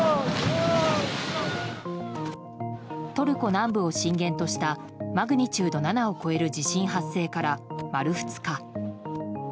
トルコ南部を震源としたマグニチュード７を超える地震発生から丸２日。